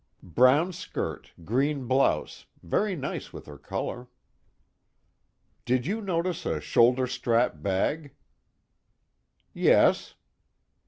"Brown skirt, green blouse, very nice with her color." "Did you notice a shoulder strap bag?" "Yes."